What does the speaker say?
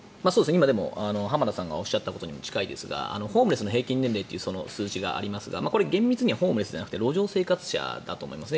今、浜田さんがおっしゃったことにも近いですがホームレスの平均年齢というのがありますがこれは厳密にはホームレスじゃなくて路上生活者だと思いますね。